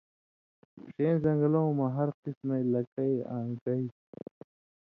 ݜَیں زن٘گلؤں مژ ہر قسمَیں لکئ آں گئ تھی۔